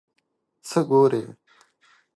څه ګورې ؟